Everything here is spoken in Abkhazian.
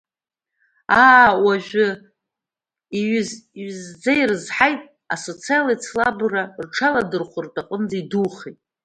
Аа, уажәы иҩыз-ҩызӡа ирызҳаит, асоцеицлабра рҽаладырхәратәы аҟынӡа идухеит.